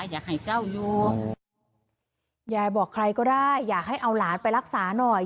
ยายบอกใครก็ได้อยากให้เอาหลานไปรักษาหน่อย